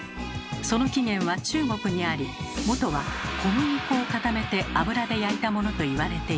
その起源は中国にあり元は小麦粉を固めて油で焼いたものと言われています。